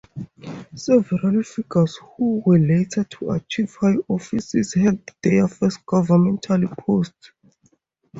Several figures who were later to achieve high offices held their first governmental posts.